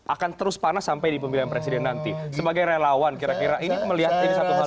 akan terus panas sampai di pemilihan presiden nanti sebagai relawan kira kira ini melihat